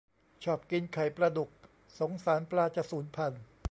ชอบกินไข่ปลาดุก สงสารปลาจะสูญพันธุ์